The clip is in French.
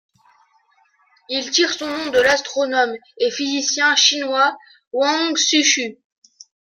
Il tire son nom de l'astronome et physicien chinois Huang Su-Shu.